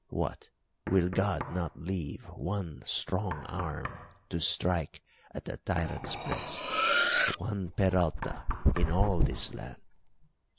What, will God not leave one strong arm to strike at the tyrant's breast one Peralta in all this land!